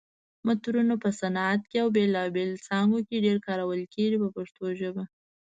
مترونه په صنعت او بېلابېلو څانګو کې ډېر کارول کېږي په پښتو کې.